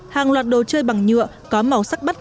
hàng loạt đồ chơi bằng nhựa có màu sắc bắt mắt